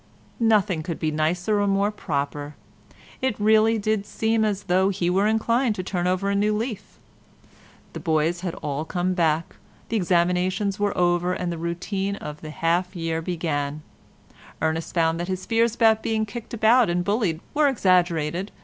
Nothing could be nicer or more proper. It really did seem as though he were inclined to turn over a new leaf. The boys had all come back, the examinations were over, and the routine of the half year began; Ernest found that his fears about being kicked about and bullied were exaggerated.